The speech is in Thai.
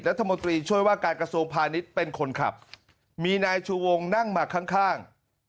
จัดเนสธโมตีช่วยว่าการกระทรวงพลานิตเป็นคนครับมีนายชูวงนั่งมาข้างข้าง